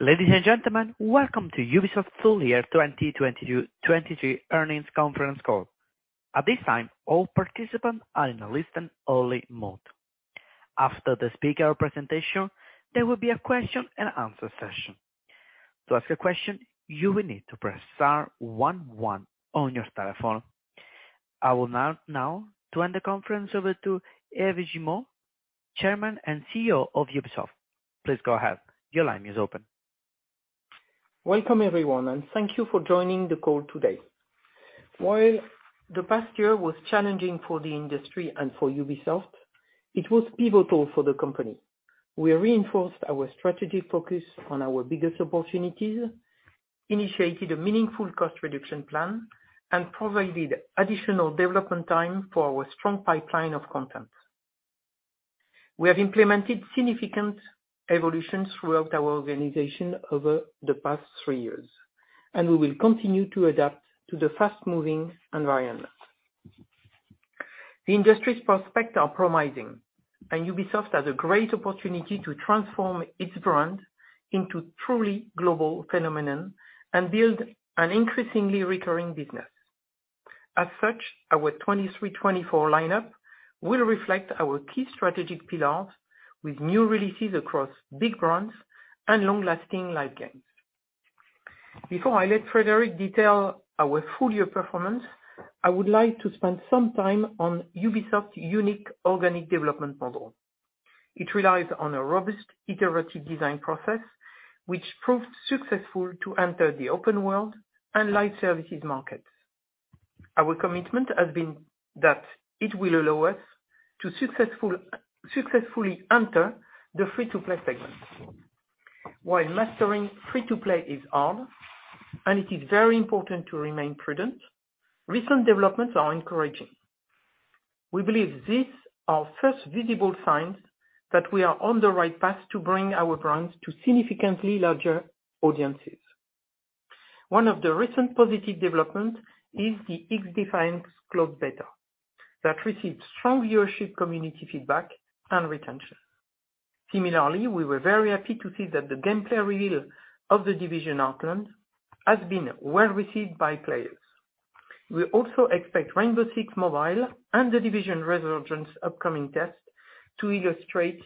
Ladies and gentlemen, welcome to Ubisoft's full year 2023 earnings conference call. At this time, all participants are in a listen-only mode. After the speaker presentation, there will be a question and answer session. To ask a question, you will need to press star 11 on your telephone. I will now turn the conference over to Yves Guillemot, Chairman and CEO of Ubisoft. Please go ahead. Your line is open. Welcome everyone, thank you for joining the call today. While the past year was challenging for the industry and for Ubisoft, it was pivotal for the company. We reinforced our strategic focus on our biggest opportunities, initiated a meaningful cost reduction plan, and provided additional development time for our strong pipeline of content. We have implemented significant evolutions throughout our organization over the past 3 years, and we will continue to adapt to the fast-moving environment. The industry's prospects are promising, and Ubisoft has a great opportunity to transform its brand into truly global phenomenon and build an increasingly recurring business. As such, our 2023/2024 lineup will reflect our key strategic pillars with new releases across big brands and long-lasting live games. Before I let Frédéric detail our full year performance, I would like to spend some time on Ubisoft unique organic development model. It relies on a robust iterative design process which proved successful to enter the open world and live services markets. Our commitment has been that it will allow us to successful, successfully enter the free-to-play segment. While mastering free-to-play is hard and it is very important to remain prudent, recent developments are encouraging. We believe these are first visible signs that we are on the right path to bring our brands to significantly larger audiences. One of the recent positive development is the XDefiant closed beta that received strong viewership, community feedback and retention. Similarly, we were very happy to see that the gameplay reveal of The Division Heartland has been well received by players. We also expect Rainbow Six Mobile and The Division Resurgence upcoming tests to illustrate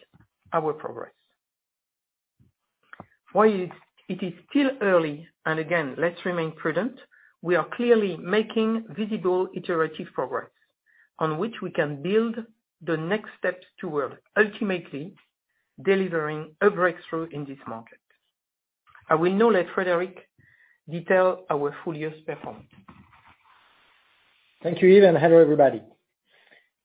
our progress. While it is still early, and again, let's remain prudent, we are clearly making visible iterative progress on which we can build the next steps toward ultimately delivering a breakthrough in this market. I will now let Frédéric detail our full year's performance. Thank you, Yves. Hello everybody.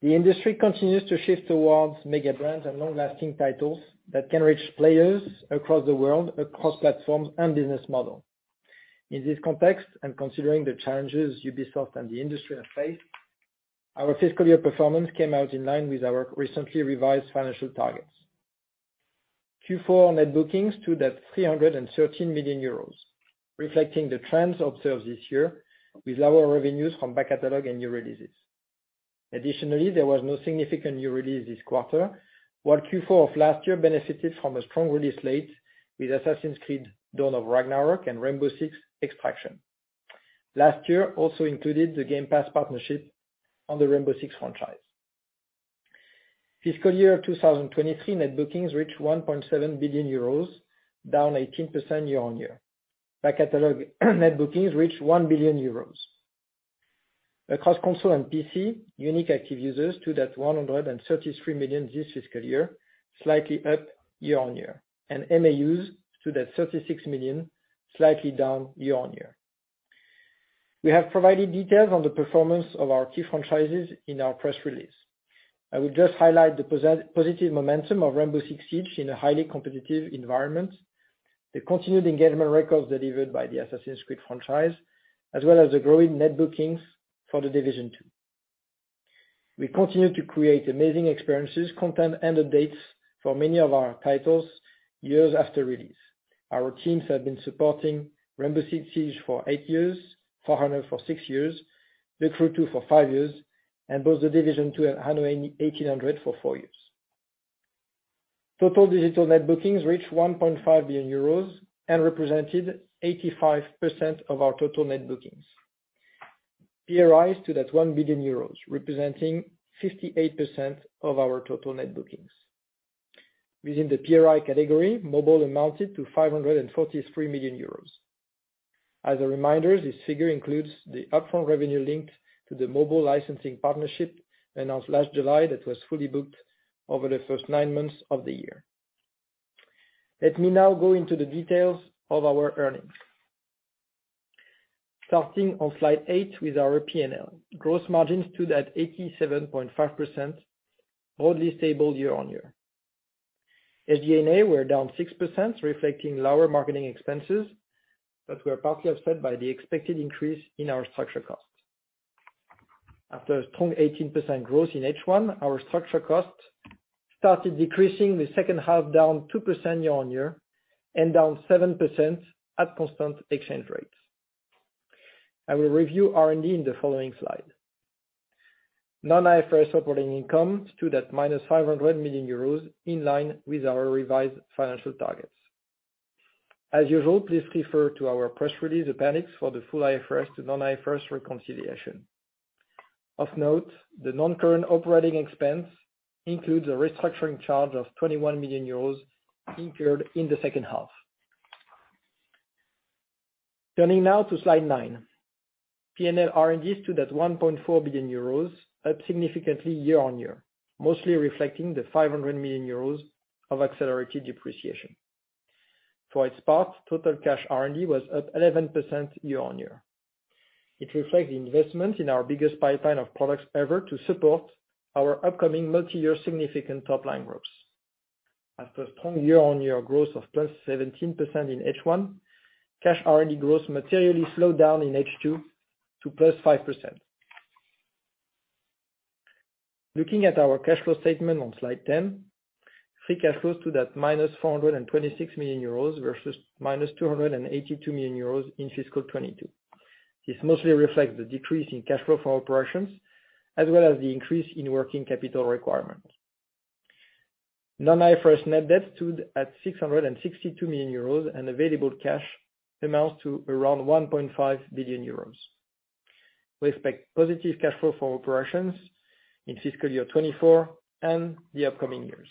The industry continues to shift towards mega brands and long-lasting titles that can reach players across the world, across platforms and business model. In this context, and considering the challenges Ubisoft and the industry have faced, our fiscal year performance came out in line with our recently revised financial targets. Q4 net bookings stood at 313 million euros, reflecting the trends observed this year with lower revenues from back-catalog and new releases. Additionally, there was no significant new release this quarter, while Q4 of last year benefited from a strong release slate with Assassin's Creed Valhalla: Dawn of Ragnarök and Rainbow Six Extraction. Last year also included the Game Pass partnership on the Rainbow Six franchise. Fiscal year 2023 net bookings reached 1.7 billion euros, down 18% year-over-year. Back-catalog net bookings reached 1 billion euros. Across console and PC, unique active users stood at 133 million this fiscal year, slightly up year-over-year, and MAUs stood at 36 million, slightly down year-over-year. We have provided details on the performance of our key franchises in our press release. I will just highlight the positive momentum of Rainbow Six Siege in a highly competitive environment, the continued engagement records delivered by the Assassin's Creed franchise, as well as the growing net bookings for The Division 2. We continue to create amazing experiences, content and updates for many of our titles years after release. Our teams have been supporting Rainbow Six Siege for 8 years, Far Cry for 6 years, The Crew 2 for 5 years, and both The Division 2 and Anno 1800 for 4 years. Total digital net bookings reached 1.5 billion euros and represented 85% of our total net bookings. PRI stood at 1 billion euros, representing 58% of our total net bookings. Within the PRI category, mobile amounted to 543 million euros. As a reminder, this figure includes the upfront revenue link to the mobile licensing partnership announced last July that was fully booked over the first nine months of the year. Let me now go into the details of our earnings. Starting on slide eight with our PNL. Gross margins stood at 87.5%, broadly stable year-over-year. SG&A were down 6%, reflecting lower marketing expenses that were partially offset by the expected increase in our structural costs. After a strong 18% growth in H1, our structural costs started decreasing with second half down 2% year-on-year and down 7% at constant exchange rates. I will review R&D in the following slide. Non-IFRS operating income stood at minus 500 million euros, in line with our revised financial targets. As usual, please refer to our press release appendix for the full IFRS to non-IFRS reconciliation. Of note, the non-current operating expense includes a restructuring charge of 21 million euros incurred in the second half. Turning now to slide 9. PNL R&D stood at 1.4 billion euros, up significantly year-on-year, mostly reflecting the 500 million euros of accelerated depreciation. For its part, total cash R&D was up 11% year-on-year. It reflects the investment in our biggest pipeline of products ever to support our upcoming multi-year significant top line growth. After a strong year-on-year growth of +17% in H1, cash R&D growth materially slowed down in H2 to +5%. Looking at our cash flow statement on slide 10, free cash flow stood at minus 426 million euros versus minus 282 million euros in fiscal 2022. This mostly reflects the decrease in cash flow from operations, as well as the increase in working capital requirements. Non-IFRS net debt stood at 662 million euros, and available cash amounts to around 1.5 billion euros. We expect positive cash flow from operations in fiscal year 2024 and the upcoming years.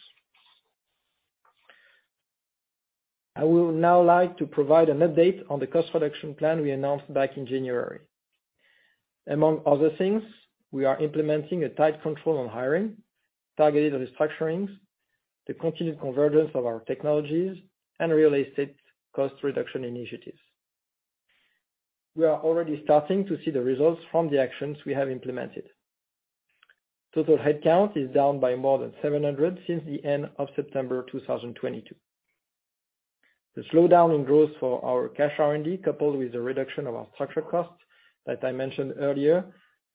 I would now like to provide an update on the cost reduction plan we announced back in January. Among other things, we are implementing a tight control on hiring, targeted restructurings, the continued convergence of our technologies, and real estate cost reduction initiatives. We are already starting to see the results from the actions we have implemented. Total headcount is down by more than 700 since the end of September 2022. The slowdown in growth for our cash R&D, coupled with the reduction of our structural costs that I mentioned earlier,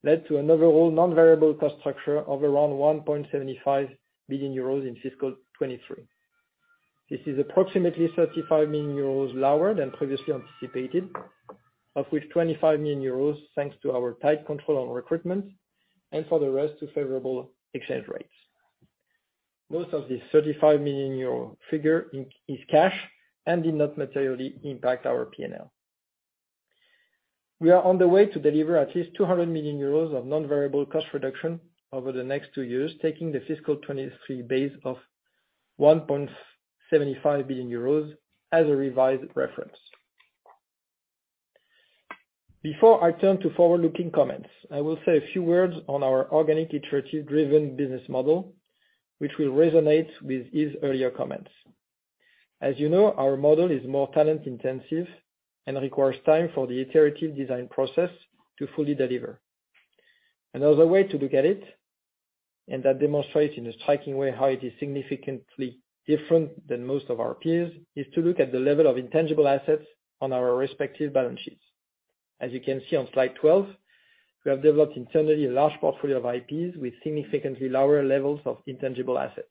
led to an overall non-variable cost structure of around 1.75 billion euros in fiscal 23. This is approximately 35 million euros lower than previously anticipated, of which 25 million euros thanks to our tight control on recruitment, and for the rest, to favorable exchange rates. Most of this 35 million euro figure in, is cash and did not materially impact our PNL. We are on the way to deliver at least 200 million euros of non-variable cost reduction over the next two years, taking the fiscal 23 base of 1.75 billion euros as a revised reference. Before I turn to forward-looking comments, I will say a few words on our organic iterative-driven business model, which will resonate with Yves' earlier comments. As you know, our model is more talent-intensive and requires time for the iterative design process to fully deliver. Another way to look at it, and that demonstrates in a striking way how it is significantly different than most of our peers, is to look at the level of intangible assets on our respective balance sheets. As you can see on slide 12, we have developed internally a large portfolio of IPs with significantly lower levels of intangible assets.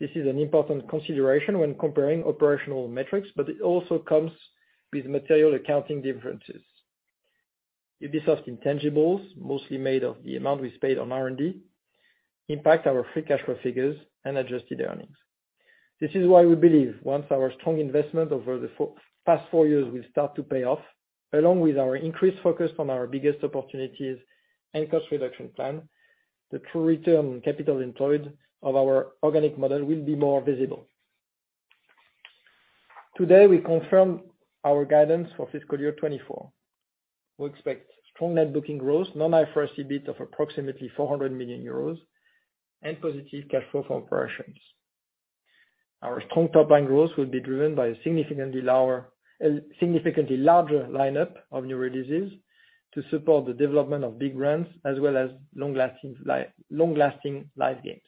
This is an important consideration when comparing operational metrics, but it also comes with material accounting differences. Ubisoft intangibles, mostly made of the amount we spent on R&D, impact our free cash flow figures and adjusted earnings. This is why we believe once our strong investment over the past 4 years will start to pay off, along with our increased focus on our biggest opportunities and cost reduction plan, the true return on capital employed of our organic model will be more visible. Today, we confirm our guidance for fiscal year 2024. We expect strong net booking growth, non-IFRS EBIT of approximately 400 million euros, and positive cash flow from operations. Our strong top-line growth will be driven by a significantly larger lineup of new releases to support the development of big brands as well as long-lasting live games.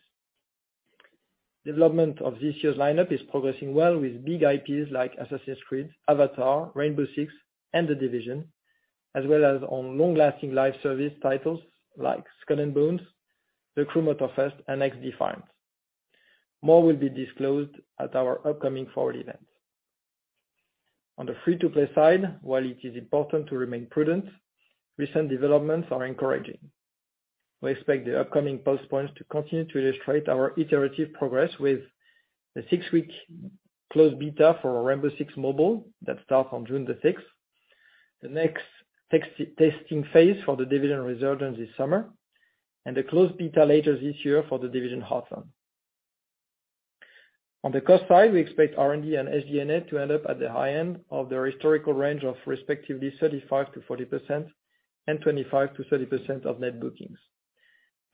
Development of this year's lineup is progressing well with big IPs like Assassin's Creed, Avatar, Rainbow Six, and The Division, as well as on long-lasting live service titles like Skull and Bones, The Crew Motorfest and XDefiant. More will be disclosed at our upcoming Forward event. On the free-to-play side, while it is important to remain prudent, recent developments are encouraging. We expect the upcoming pulse points to continue to illustrate our iterative progress with the 6-week closed beta for Rainbow Six Mobile that starts on June 6th, the next tech-testing phase for The Division Resurgence this summer, and a closed beta later this year for The Division Heartland. On the cost side, we expect R&D and SG&A to end up at the high end of the historical range of respectively 35%-40% and 25%-30% of net bookings.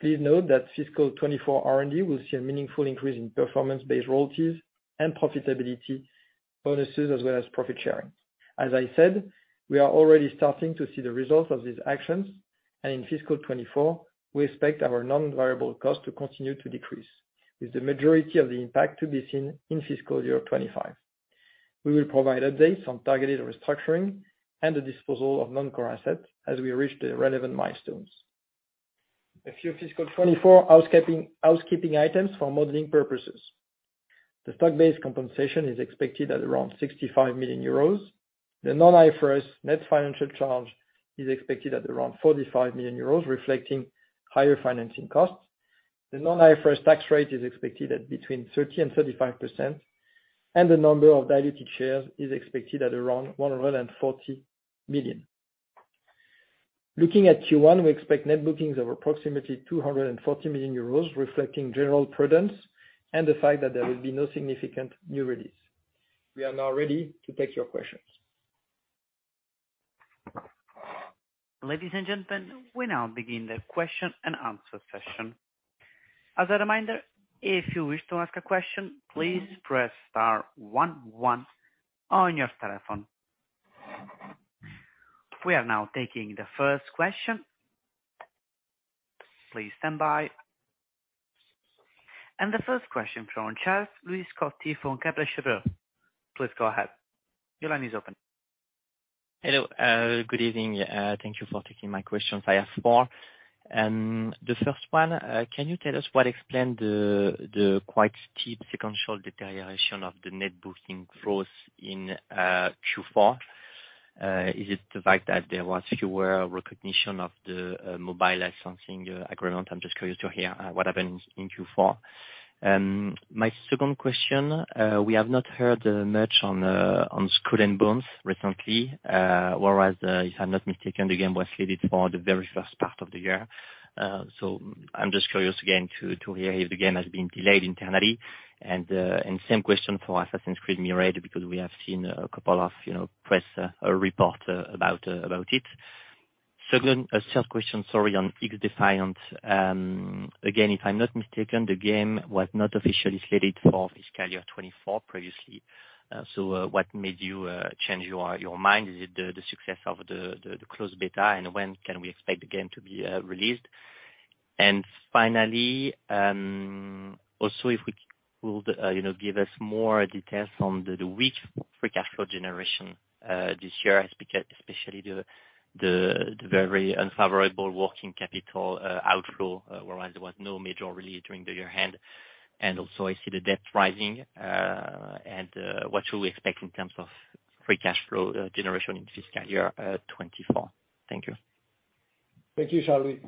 Please note that fiscal 24 R&D will see a meaningful increase in performance-based royalties and profitability bonuses, as well as profit sharing. As I said, we are already starting to see the results of these actions. In fiscal 24, we expect our non-variable costs to continue to decrease, with the majority of the impact to be seen in fiscal year 25. We will provide updates on targeted restructuring and the disposal of non-core assets as we reach the relevant milestones. A few fiscal 24 housekeeping items for modeling purposes. The stock-based compensation is expected at around 65 million euros. The non-IFRS net financial charge is expected at around 45 million euros, reflecting higher financing costs. The non-IFRS tax rate is expected at between 30% and 35%. The number of diluted shares is expected at around 140 million. Looking at Q1, we expect net bookings of approximately 240 million euros, reflecting general prudence and the fact that there will be no significant new release. We are now ready to take your questions. Ladies and gentlemen, we now begin the question-and-answer session. As a reminder, if you wish to ask a question, please press star one one on your telephone. We are now taking the first question. Please stand by. The first question from Charles-Louis Planade from Kepler Cheuvreux. Please go ahead. Your line is open. Hello. Good evening. Thank you for taking my questions. I have 4. The first one, can you tell us what explained the quite steep sequential deterioration of the net bookings growth in Q4? Is it the fact that there was fewer recognition of the mobile licensing agreement? I'm just curious to hear what happened in Q4. My second question, we have not heard much on Skull and Bones recently, whereas if I'm not mistaken, the game was slated for the very first part of the year. I'm just curious again to hear if the game has been delayed internally and same question for Assassin's Creed Mirage because we have seen a couple of, you know, press report about about it. Third question, sorry, on XDefiant. Again, if I'm not mistaken, the game was not officially slated for fiscal year 2024 previously. What made you change your mind? Is it the success of the closed beta? When can we expect the game to be released? Finally, also, if we could, you know, give us more details on the weak free cash flow generation this year, especially the very unfavorable working capital outflow, whereas there was no major release during the year end. Also, I see the debt rising. What should we expect in terms of free cash flow generation in fiscal year 2024? Thank you. Thank you,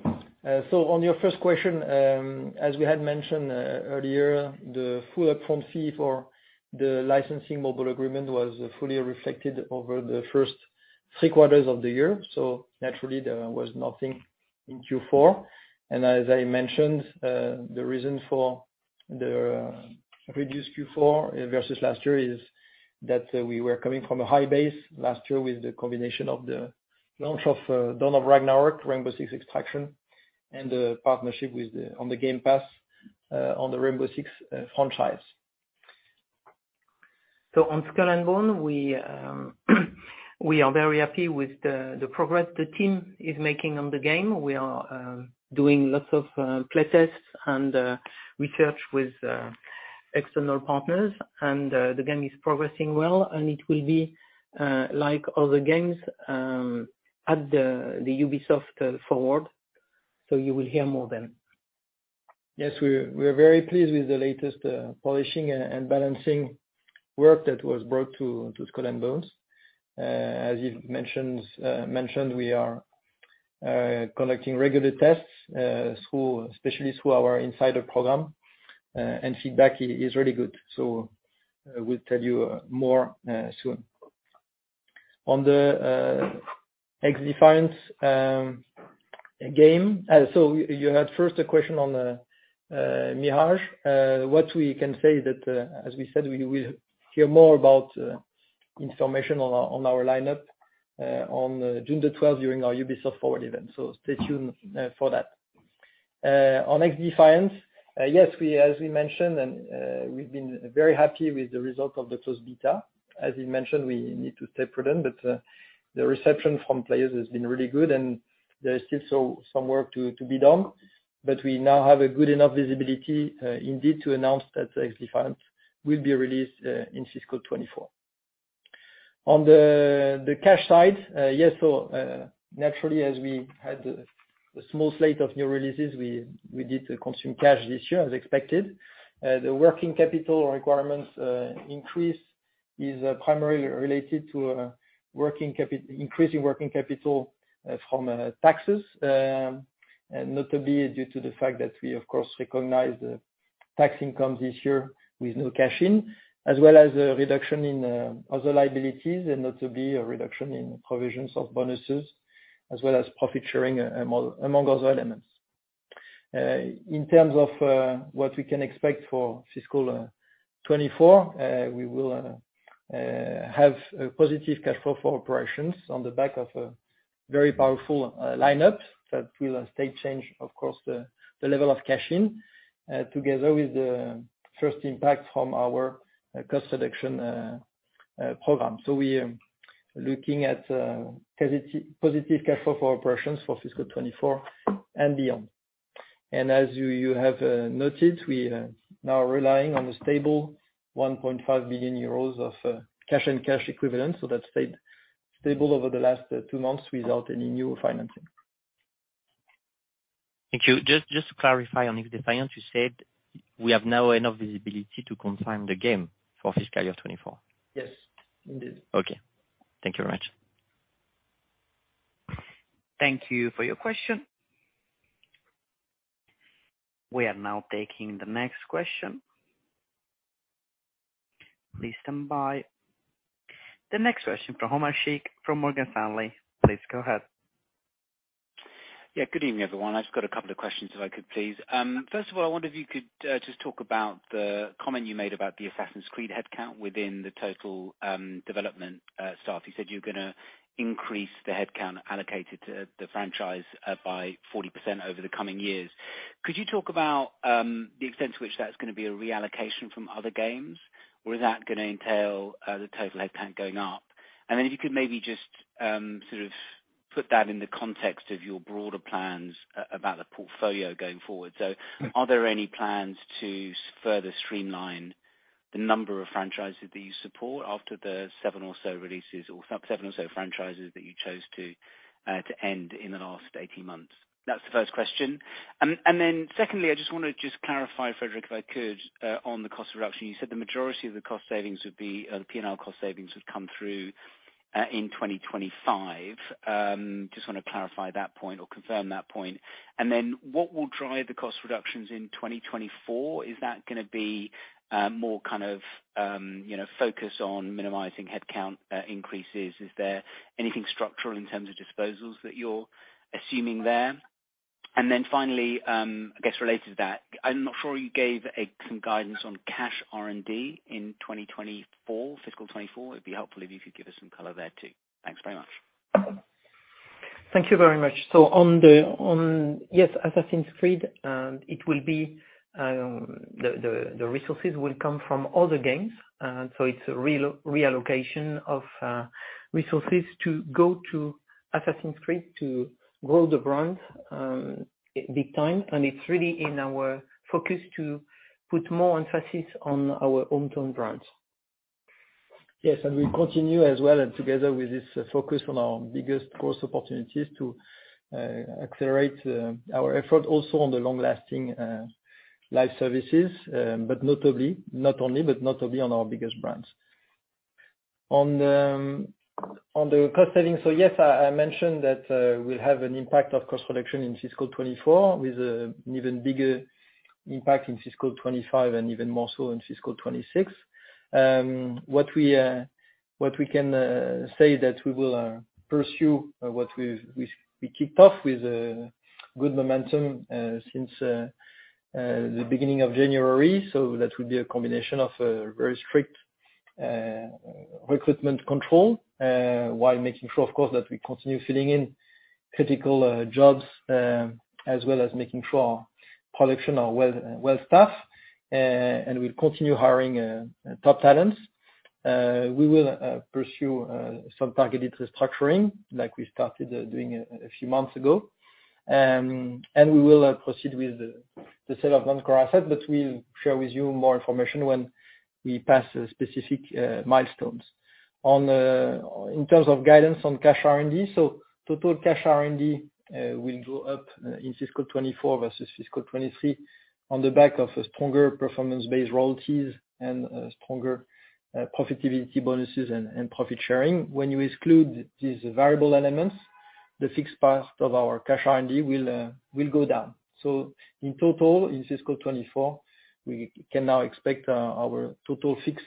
Charles-Louis. On your first question, as we had mentioned earlier, the full upfront fee for the licensing mobile agreement was fully reflected over the first three quarters of the year. Naturally, there was nothing in Q4. As I mentioned, the reason for the reduced Q4 versus last year is that we were coming from a high base last year with the combination of the launch of Dawn of Ragnarök, Rainbow Six Extraction, and the partnership on the Game Pass on the Rainbow Six franchise. On Skull and Bones, we are very happy with the progress the team is making on the game. We are doing lots of play tests and research with external partners. The game is progressing well, and it will be like other games at the Ubisoft Forward. you will hear more then. Yes. We're very pleased with the latest polishing and balancing work that was brought to Skull and Bones. As you've mentioned, we are conducting regular tests, especially through our insider program, and feedback is really good. We'll tell you more soon. On the XDefiant game... You had first a question on Mirage. What we can say that as we said, we will hear more about information on our lineup on June the twelfth during our Ubisoft Forward event. Stay tuned for that. On XDefiant, yes, as we mentioned and we've been very happy with the result of the closed beta. As you mentioned, we need to stay prudent, but the reception from players has been really good, and there's still some work to be done. We now have a good enough visibility indeed to announce that XDefiant will be released in fiscal 24. On the cash side, yes, naturally, as we had a small slate of new releases, we did consume cash this year as expected. The working capital requirements increase is primarily related to increasing working capital from taxes, and notably due to the fact that we, of course, recognized tax incomes this year with no cash in, as well as a reduction in other liabilities, and notably a reduction in provisions of bonuses, as well as profit sharing among other elements. In terms of what we can expect for fiscal 2024, we will have a positive cash flow for operations on the back of a very powerful lineup. That will state change, of course, the level of cash in together with the first impact from our cost reduction program. So we are looking at cash-positive cash flow for operations for fiscal 2024 and beyond. As you have noted, we are now relying on the stable 1.5 billion euros of cash and cash equivalent. So that stayed stable over the last two months without any new financing. Thank you. Just to clarify on XDefiant, you said we have now enough visibility to confirm the game for fiscal year 2024. Yes, indeed. Okay. Thank you very much. Thank you for your question. We are now taking the next question. Please stand by. The next question from Omar Sheikh from Morgan Stanley. Please go ahead. Yeah, good evening, everyone. I've just got a couple of questions if I could, please. First of all, I wonder if you could just talk about the comment you made about the Assassin's Creed headcount within the total development staff. You said you're gonna increase the headcount allocated to the franchise by 40% over the coming years. Could you talk about the extent to which that's gonna be a reallocation from other games? Or is that gonna entail the total headcount going up? Then if you could maybe just sort of put that in the context of your broader plans about the portfolio going forward. Mm-hmm. Are there any plans to further streamline the number of franchises that you support after the seven or so franchises that you chose to end in the last 18 months? That's the first question. Secondly, I just wanna just clarify, Frédéric, if I could, on the cost reduction. You said the majority of the cost savings would be, the PNL cost savings would come through in 2025. Just wanna clarify that point or confirm that point. What will drive the cost reductions in 2024? Is that gonna be, more kind of, you know, focus on minimizing headcount increases? Is there anything structural in terms of disposals that you're assuming there? Finally, I guess related to that, I'm not sure you gave some guidance on cash R&D in 2024, fiscal 2024. It'd be helpful if you could give us some color there too. Thanks very much. Thank you very much. Yes, Assassin's Creed, the resources will come from other games. It's a reallocation of resources to go to Assassin's Creed to grow the brand big time. It's really in our focus to put more emphasis on our own brand. Yes, we continue as well and together with this focus on our biggest growth opportunities to accelerate our effort also on the long-lasting live services. Notably, not only, but notably on our biggest brands. On the cost savings, yes, I mentioned that we'll have an impact of cost reduction in fiscal 24 with an even bigger impact in fiscal 25 and even more so in fiscal 26. What we what we can say that we will pursue what we've kicked off with a good momentum since the beginning of January. That will be a combination of a very strict recruitment control, while making sure of course, that we continue filling in critical jobs, as well as making sure our production are well, well-staffed. And we'll continue hiring top talents. We will pursue some targeted restructuring like we started doing a few months ago. And we will proceed with the sale of non-core assets, but we'll share with you more information when we pass specific milestones. In terms of guidance on cash R&D, total cash R&D will go up in fiscal 2024 versus fiscal 2023 on the back of a stronger performance-based royalties and stronger profitability bonuses and profit sharing. When you exclude these variable elements, the fixed part of our cash R&D will go down. In total, in fiscal 2024, we can now expect our total fixed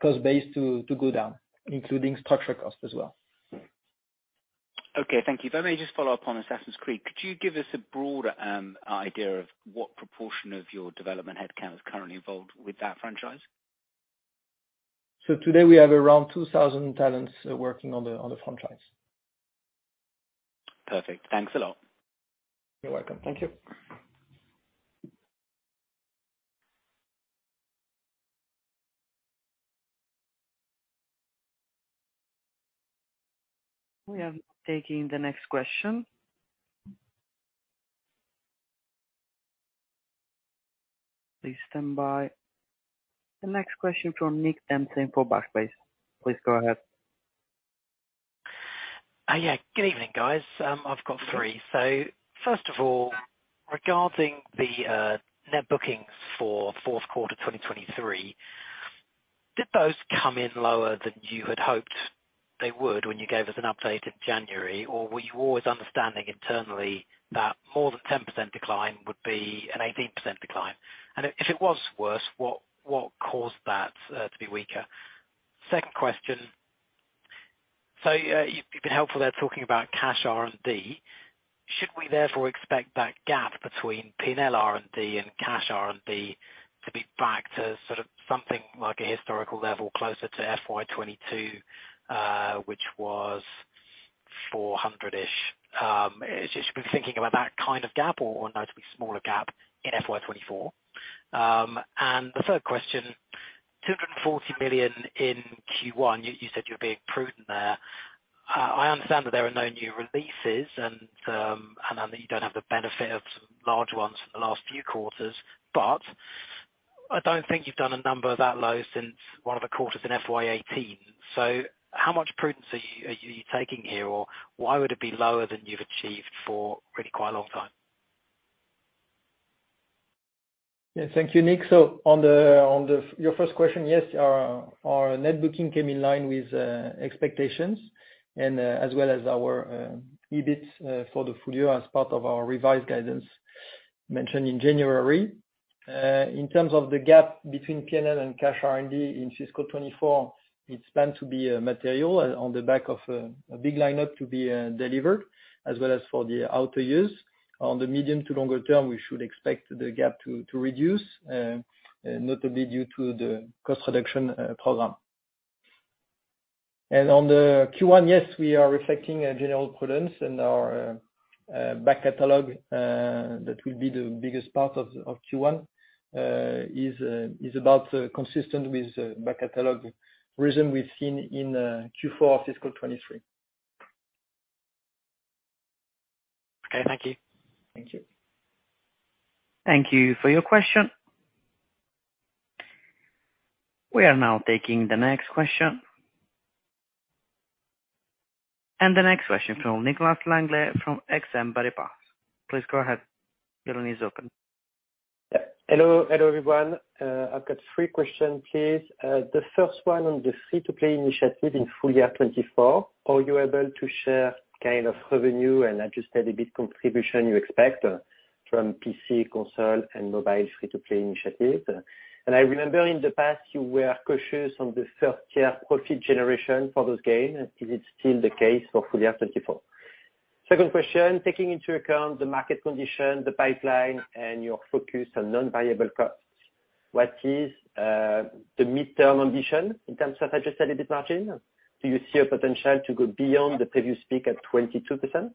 cost base to go down, including structure cost as well. Okay, thank you. If I may just follow up on Assassin's Creed. Could you give us a broader idea of what proportion of your development headcount is currently involved with that franchise? Today we have around 2,000 talents working on the franchise. Perfect. Thanks a lot. You're welcome. Thank you. We are taking the next question. Please stand by. The next question from Nicolas Dempsey for Barclays. Please go ahead. Yeah, good evening, guys. I've got three. First of all, regarding the net bookings for fourth quarter 2023, did those come in lower than you had hoped they would when you gave us an update in January? Or were you always understanding internally that more than 10% decline would be an 18% decline? And if it was worse, what caused that to be weaker? Second question. You've been helpful there talking about cash R&D. Should we therefore expect that gap between P&L R&D and cash R&D to be back to sort of something like a historical level closer to FY 2022, which was 400 million-ish? Should we be thinking about that kind of gap or a notably smaller gap in FY 2024? The third question, 240 million in Q1, you said you're being prudent there. I understand that there are no new releases and that you don't have the benefit of some large ones for the last few quarters. I don't think you've done a number that low since one of the quarters in FY 18. How much prudence are you taking here? Why would it be lower than you've achieved for really quite a long time? Yes, thank you, Nick. On your first question, yes, our net booking came in line with expectations and as well as our EBIT for the full year as part of our revised guidance mentioned in January. In terms of the gap between PNL and cash R&D in fiscal 2024, it's planned to be material on the back of a big lineup to be delivered as well as for the outer years. On the medium to longer term, we should expect the gap to reduce notably due to the cost reduction program. On the Q1, yes, we are reflecting a general prudence in our back catalog that will be the biggest part of Q1. is about consistent with back catalog rhythm we've seen in Q4 of fiscal 2023. Okay. Thank you. Thank you. Thank you for your question. We are now taking the next question. The next question from Nicolas Langlet from BNP Paribas Exane. Please go ahead. Your line is open. Yeah. Hello. Hello, everyone. I've got three questions, please. The first one on the free-to-play initiative in full year 2024, are you able to share kind of revenue and adjusted EBIT contribution you expect from PC console and mobile free-to-play initiative? I remember in the past you were cautious on the first year profit generation for those games. Is it still the case for full year 2024? Second question, taking into account the market conditions, the pipeline and your focus on non-variable costs, what is the midterm ambition in terms of adjusted EBIT margin? Do you see a potential to go beyond the previous peak at 22%?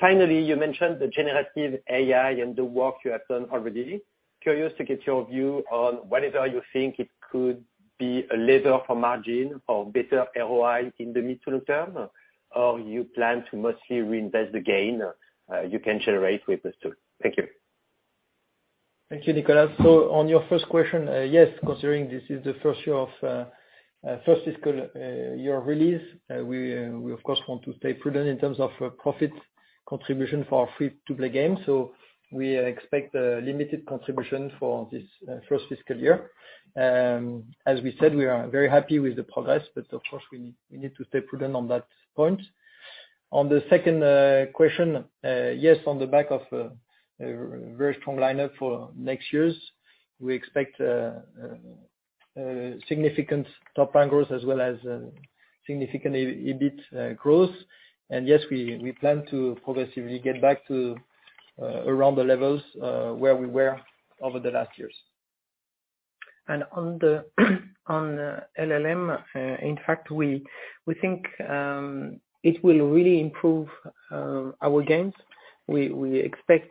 Finally, you mentioned the generative AI and the work you have done already. Curious to get your view on whether you think it could be a lever for margin or better ROI in the mid to long term. You plan to mostly reinvest the gain, you can generate with this tool. Thank you. Thank you, Nicolas. On your first question, yes, considering this is the first year of first fiscal year release, we of course want to stay prudent in terms of profit contribution for our free-to-play game. We expect a limited contribution for this first fiscal year. As we said, we are very happy with the progress, but of course, we need to stay prudent on that point. On the second question, yes, on the back of a very strong lineup for next year's, we expect significant top line growth as well as significant EBIT growth. Yes, we plan to progressively get back to around the levels where we were over the last years. On the LLM, in fact, we think it will really improve our games. We expect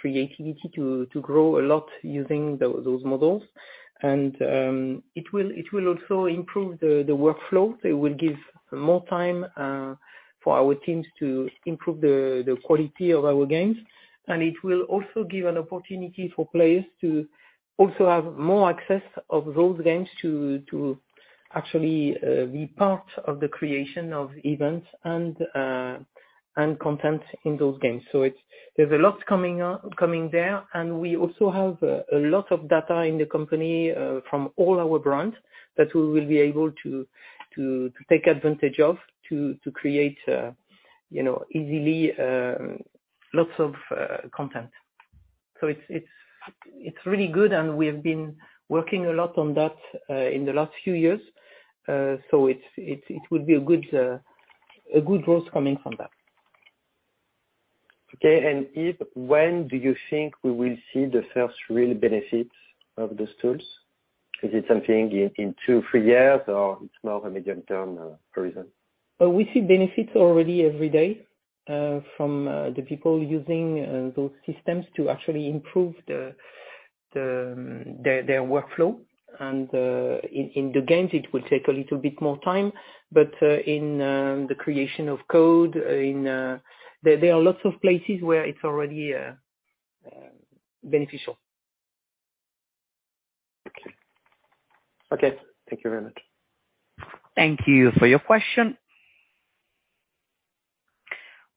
creativity to grow a lot using those models. It will also improve the workflow. It will give more time for our teams to improve the quality of our games. It will also give an opportunity for players to also have more access of those games to actually be part of the creation of events and content in those games. There's a lot coming out, coming there. We also have a lot of data in the company from all our brands that we will be able to take advantage of, to create, you know, easily lots of content. it's really good, and we have been working a lot on that in the last few years. it will be a good growth coming from that. Okay. Yves, when do you think we will see the first real benefits of those tools? Is it something in two-threeyears, or it's more of a medium-term horizon? We see benefits already every day from the people using those systems to actually improve the their workflow. In the games it will take a little bit more time. In the creation of code, in there are lots of places where it's already beneficial. Okay. Okay, thank you very much. Thank you for your question.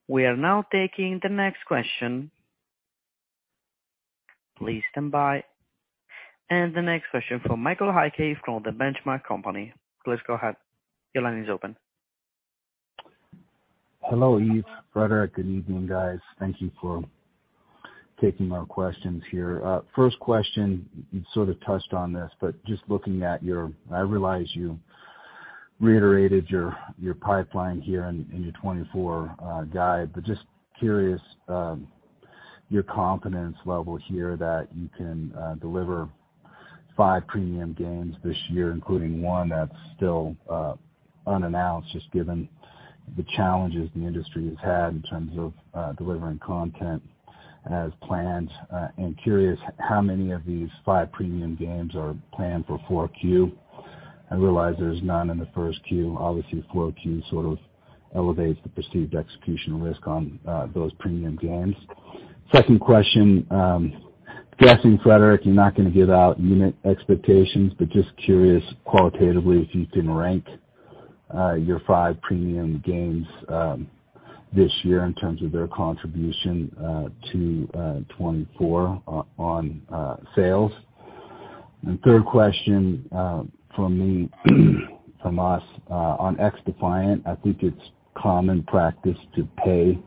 We are now taking the next question. Please stand by. The next question from Mike Hickey from The Benchmark Company. Please go ahead. Your line is open. Hello, Yves, Frédéric. Good evening, guys. Thank you for taking my questions here. First question, you sort of touched on this, but just looking at your pipeline here in your 2024 guide, just curious your confidence level here that you can deliver five premium games this year, including 1 that's still unannounced, just given the challenges the industry has had in terms of delivering content as planned. Curious how many of these 5 premium games are planned for 4Q? I realize there's none in the 1Q. Obviously, 4Q sort of elevates the perceived execution risk on those premium games. Second question, guessing, Frédéric, you're not gonna give out unit expectations, but just curious qualitatively if you can rank your five premium games this year in terms of their contribution to 2024 on sales. Third question, from me from us, on XDefiant, I think it's common practice to pay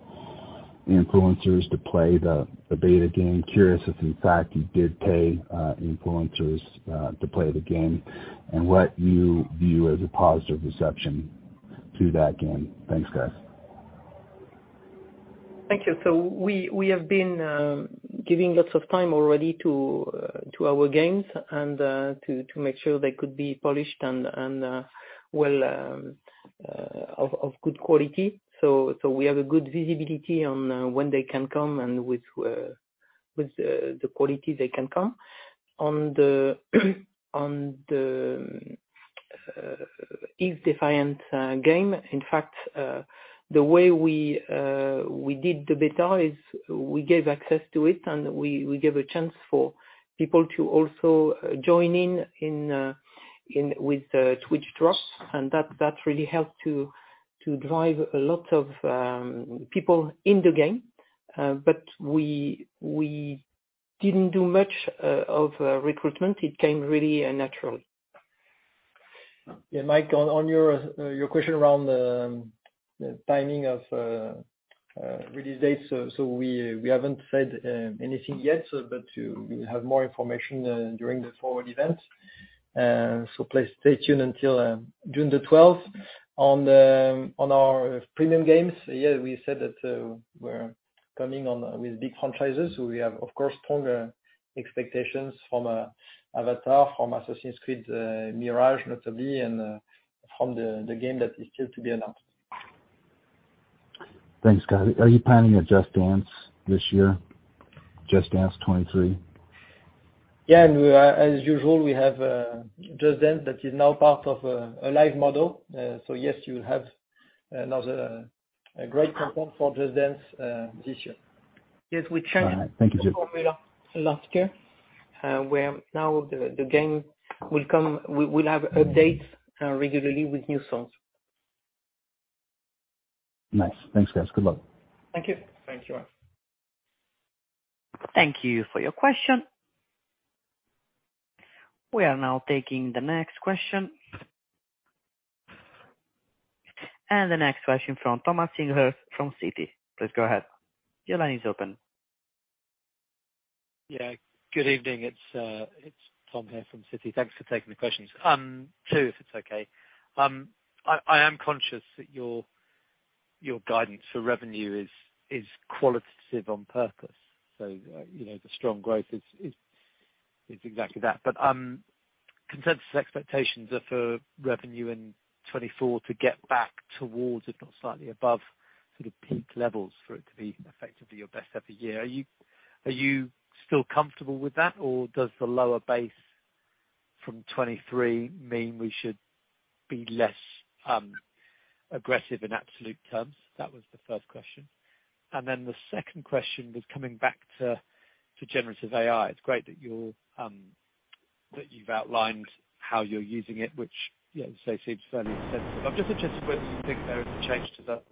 influencers to play the beta game. Curious if in fact you did pay influencers to play the game and what you view as a positive reception to that game. Thanks, guys. Thank you. We have been giving lots of time already to our games and to make sure they could be polished and well of good quality. We have good visibility on when they can come and with the quality they can come. On the XDefiant game. In fact, the way we did the beta is we gave access to it, and we gave a chance for people to also join in with the Twitch Drops, and that really helped to drive a lot of people in the game. We didn't do much of recruitment. It came really naturally. Yeah, Mike, on your question around the timing of release dates. We haven't said anything yet, but, you know, we have more information during the Ubisoft Forward event, so please stay tuned until June 12th. On our premium games, yeah, we said that we're coming on with big franchises. We have, of course, stronger expectations from Avatar, from Assassin's Creed Mirage, notably, and from the game that is still to be announced. Thanks, guys. Are you planning a Just Dance this year? Just Dance 23? Yeah. As usual, we have Just Dance that is now part of a live model. Yes, you'll have another great content for Just Dance this year. Yes, we changed- All right. Thank you two. Last year, where now the game will come. We'll have updates, regularly with new songs. Nice. Thanks, guys. Good luck. Thank you. Thank you, Mike. Thank you for your question. We are now taking the next question. The next question from Thomas Singlehurst from Citi. Please go ahead. Your line is open. Yeah. Good evening. It's Tom here from Citi. Thanks for taking the questions. Two, if it's okay. I am conscious that your guidance for revenue is qualitative on purpose. You know, the strong growth is exactly that. Consensus expectations are for revenue in 2024 to get back towards, if not slightly above, sort of peak levels for it to be effectively your best ever year. Are you still comfortable with that, or does the lower base from 2023 mean we should be less aggressive in absolute terms? That was the first question. The second question was coming back to generative AI. It's great that you've outlined how you're using it, which, you know, as I say, seems fairly extensive. I'm just interested whether you think there is a change to the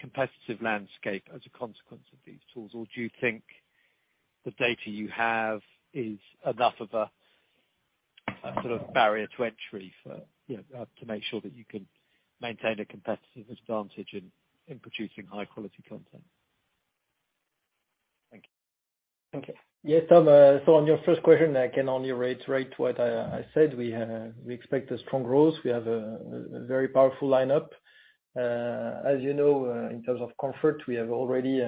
competitive landscape as a consequence of these tools, or do you think the data you have is enough of a sort of barrier to entry for, you know, to make sure that you can maintain a competitive advantage in producing high quality content? Thank you. Thank you. Yeah, Tom, on your first question, I can only reiterate what I said. We expect a strong growth. We have a very powerful lineup. As you know, in terms of comfort, we have already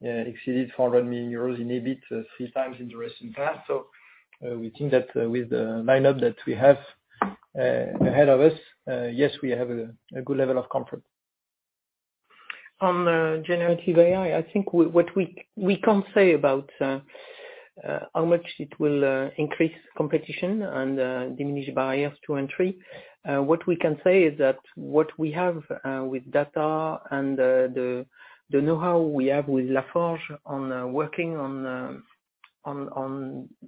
exceeded 400 million euros in EBIT three times in the recent past. We think that with the lineup that we have ahead of us, yes, we have a good level of comfort. Generative AI, I think what we can't say about how much it will increase competition and diminish barriers to entry. What we can say is that what we have with data and the know-how we have with LaForge on working on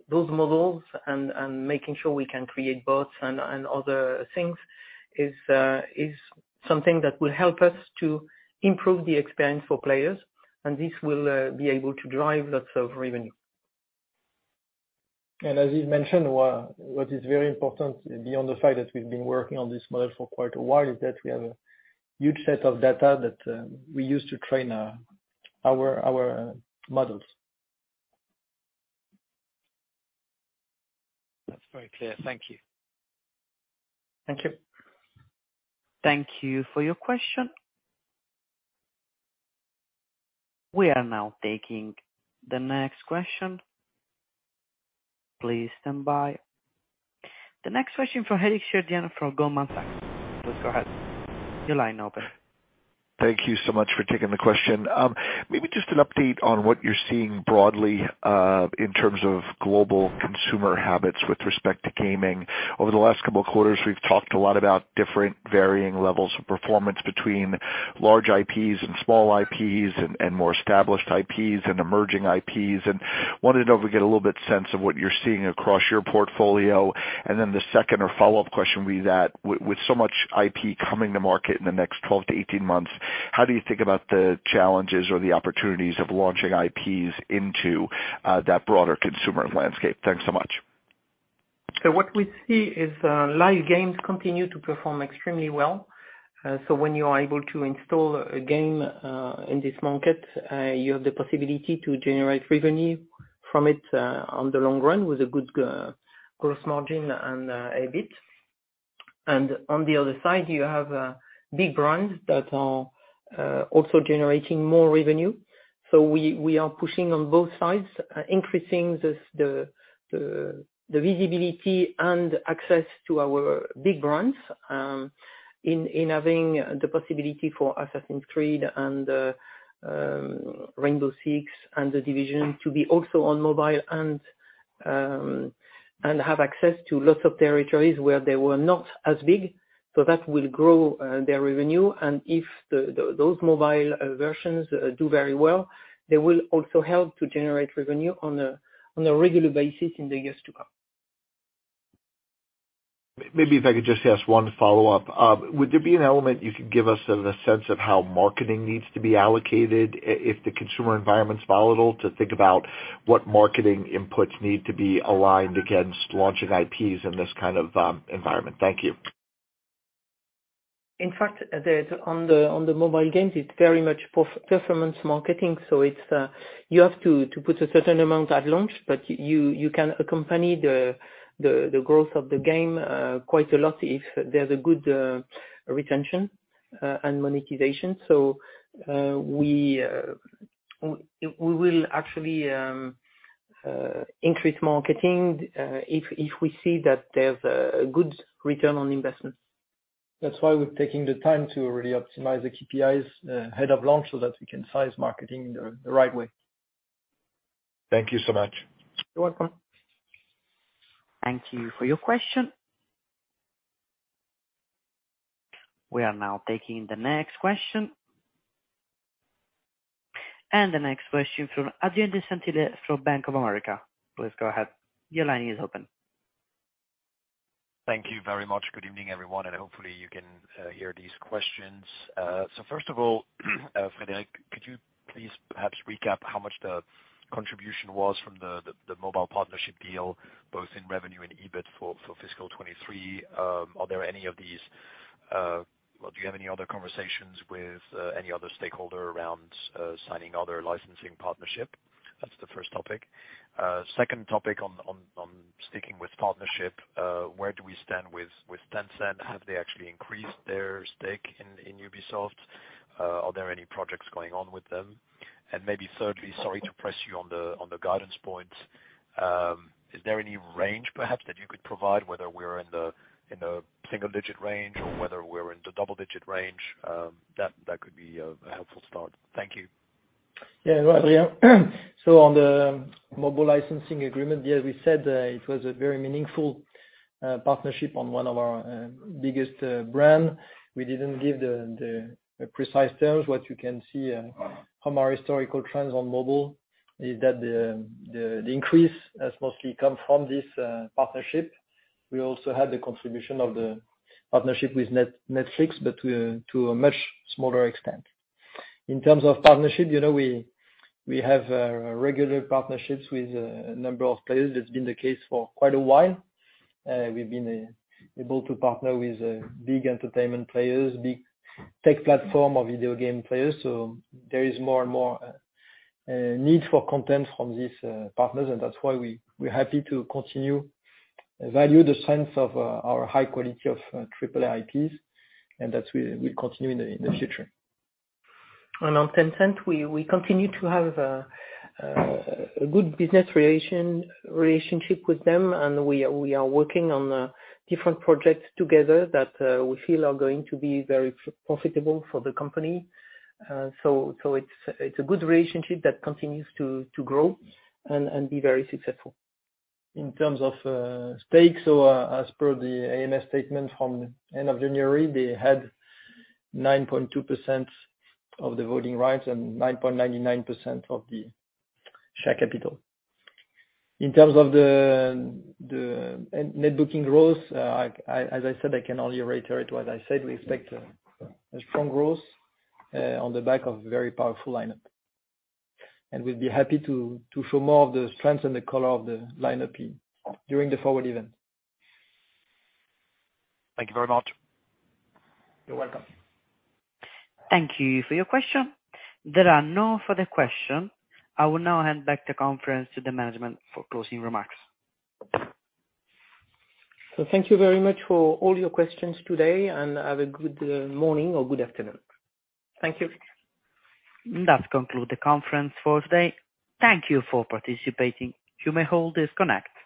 those models and making sure we can create bots and other things is something that will help us to improve the experience for players. This will be able to drive lots of revenue. As you've mentioned, what is very important, beyond the fact that we've been working on this model for quite a while, is that we have a huge set of data that we use to train our models. That's very clear. Thank you. Thank you. Thank you for your question. We are now taking the next question. Please stand by. The next question from Eric Sheridan from Goldman Sachs. Please go ahead. Your line open. Thank you so much for taking the question. Maybe just an update on what you're seeing broadly in terms of global consumer habits with respect to gaming. Over the last couple quarters, we've talked a lot about different varying levels of performance between large IPs and small IPs and more established IPs and emerging IPs. Wanted to know if we get a little bit sense of what you're seeing across your portfolio. The second or follow-up question would be that with so much IP coming to market in the next 12-18 months, how do you think about the challenges or the opportunities of launching IPs into that broader consumer landscape? Thanks so much. What we see is, live games continue to perform extremely well. When you are able to install a game, in this market, you have the possibility to generate revenue from it, on the long run with a good, gross margin and EBIT. On the other side, you have big brands that are also generating more revenue. We, we are pushing on both sides, increasing the visibility and access to our big brands, in having the possibility for Assassin's Creed and Rainbow Six and The Division to be also on mobile and have access to lots of territories where they were not as big. That will grow their revenue and if the those mobile versions do very well, they will also help to generate revenue on a regular basis in the years to come. Maybe if I could just ask one follow-up. Would there be an element you could give us in the sense of how marketing needs to be allocated if the consumer environment's volatile, to think about what marketing inputs need to be aligned against launching IPs in this kind of environment? Thank you. In fact, on the mobile games, it's very much pro-performance marketing, so it's, you have to put a certain amount at launch, but you can accompany the growth of the game quite a lot if there's a good retention and monetization. We will actually increase marketing if we see that there's a good return on investment. That's why we're taking the time to really optimize the KPIs, ahead of launch so that we can size marketing the right way. Thank you so much. You're welcome. Thank you for your question. We are now taking the next question. The next question from Adrien de Saint Hilaire from Bank of America. Please go ahead. Your line is open. Thank you very much. Good evening, everyone. Hopefully you can hear these questions. First of all, Frédéric, could you please perhaps recap how much the contribution was from the mobile partnership deal, both in revenue and EBIT for fiscal 23? Well, do you have any other conversations with any other stakeholder around signing other licensing partnership? That's the first topic. Second topic on sticking with partnership, where do we stand with Tencent? Have they actually increased their stake in Ubisoft? Are there any projects going on with them? Maybe thirdly, sorry to press you on the guidance point, is there any range perhaps that you could provide whether we're in a single digit range or whether we're in the double digit range? That could be a helpful start. Thank you. Hello, Adrien. On the mobile licensing agreement, as we said, it was a very meaningful partnership on one of our biggest brand. We didn't give the precise terms. What you can see from our historical trends on mobile is that the increase has mostly come from this partnership. We also had the contribution of the partnership with Netflix, but to a much smaller extent. In terms of partnership, you know, we have regular partnerships with a number of players. It's been the case for quite a while. We've been able to partner with big entertainment players, big tech platform or video game players. There is more and more need for content from these partners and that's why we're happy to continue value the strength of our high quality of AAA IPs, and that will continue in the future. On Tencent, we continue to have a good business relationship with them and we are working on different projects together that we feel are going to be very profitable for the company. So, it's a good relationship that continues to grow and be very successful. In terms of stakes, as per the AMF statement from end of January, they had 9.2% of the voting rights and 9.99% of the share capital. In terms of the net booking growth, I, as I said, I can only reiterate what I said. We expect a strong growth on the back of a very powerful lineup. We'll be happy to show more of the strengths and the color of the lineup during the Forward event. Thank you very much. You're welcome. Thank you for your question. There are no further question. I will now hand back the conference to the management for closing remarks. Thank you very much for all your questions today, and have a good morning or good afternoon. Thank you. That conclude the conference for today. Thank you for participating. You may all disconnect.